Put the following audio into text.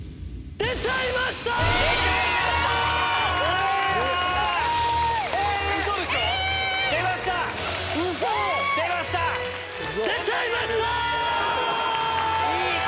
出ちゃいました‼いい声！